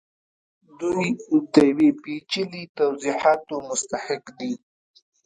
دوی د یو پیچلي توضیحاتو مستحق دي